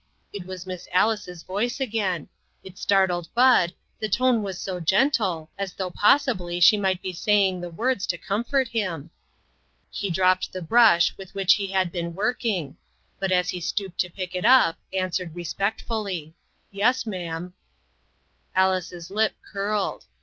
It was Miss Alice's voice again. It start led Bud, the tone was so gentle, as though possibly she might be saying the words to comfort him. He dropped the brush with which he had been working ; but as he stooped to pick it up, answered respectfully, "Yes, ma'am." Alice's lip curled.